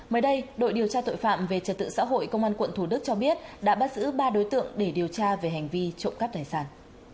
mới đây đội điều tra tội phạm về trật tự xã hội công an quận thủ đức cho biết đã bắt giữ ba đối tượng để điều tra về hành vi trộm cắp tài sản